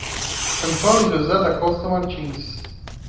Antônio José da Costa Martins